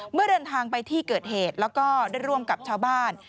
เมื่อเดินทางไปที่เกิดเหตุแล้วก็ได้ร่วมกับชาวบ้าน